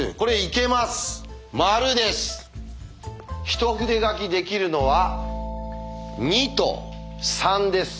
一筆書きできるのは２と３です。